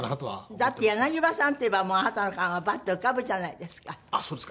だって「柳葉さん」といえばもうあなたの顔がパッと浮かぶじゃないですか。